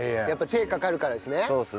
やっぱ手かかるからですね。